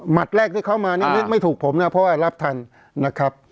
แรกที่เข้ามานี่นึกไม่ถูกผมนะเพราะว่ารับทันนะครับ